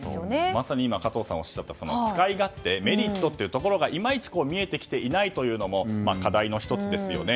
まさに加藤さんが今おっしゃった使い勝手、メリットがいまいち見えてきていないというのも課題の１つですよね。